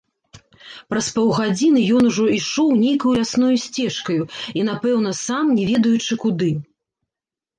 Праз паўгадзіны ён ужо ішоў нейкаю лясною сцежкаю, і напэўна сам не ведаючы куды.